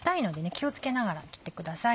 気を付けながら切ってください。